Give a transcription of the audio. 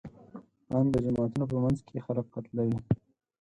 ان د جوماتونو په منځ کې خلک قتلوي.